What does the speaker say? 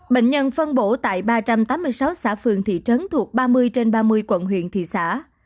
bệnh nhân phân bổ tại ba trăm tám mươi sáu xã phường thị trấn thuộc ba mươi trên ba mươi quận huyện thị xã